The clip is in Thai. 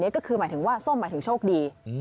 ก็คือหมายถึงว่าส้มหมายถึงโชคดี